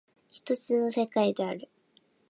一つの世界である。